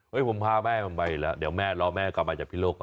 เฮ้ยผมพาแม่ไปละเดี๋ยวแม่รอแม่กลับมาจากที่โลกก่อน